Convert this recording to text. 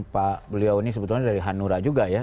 pak beliau ini sebetulnya dari hanura juga ya